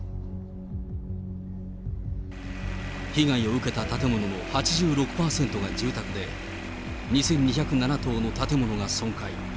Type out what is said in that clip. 被害を受けた建物の８６％が住宅で、２２０７棟の建物が損壊。